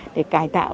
để cải tạo